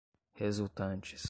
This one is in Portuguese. resultantes